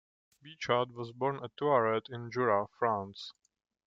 Bichat was born at Thoirette in Jura, France.